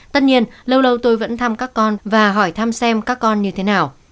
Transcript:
tất nhiên lâu lâu tôi vẫn thăm các con và hỏi thăm xem các con như thế nào